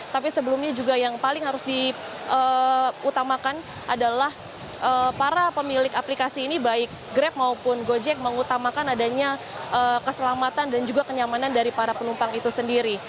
tapi sebelumnya juga yang paling harus diutamakan adalah para pemilik aplikasi ini baik grab maupun gojek mengutamakan adanya keselamatan dan juga kenyamanan dari para penumpang itu sendiri